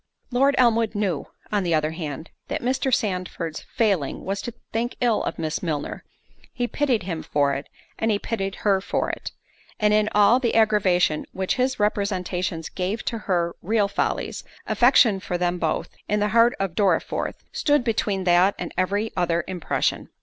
Lord Elmwood knew, on the other hand, that Sandford's failing was to think ill of Miss Milner—he pitied him for it, and he pitied her for it—and in all the aggravation which his representations gave to her real follies, affection for them both, in the heart of Dorriforth, stood between that and every other impression.